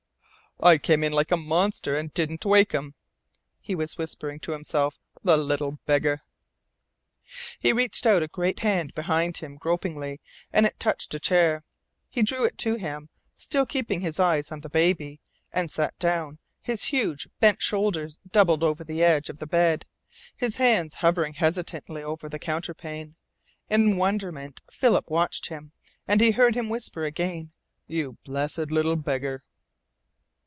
"I came in like a monster and didn't wake 'im," he was whispering to himself. "The little beggar!" He reached out a great hand behind him, gropingly, and it touched a chair. He drew it to him, still keeping his eyes on the baby, and sat down, his huge, bent shoulders doubled over the edge of the bed, his hands hovering hesitatingly over the counterpane. In wonderment Philip watched him, and he heard him whisper again: "You blessed little beggar!"